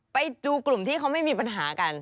ไปดูกลุ่มที่เขาไม่มีปัญหากัน